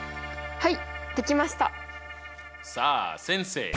はい。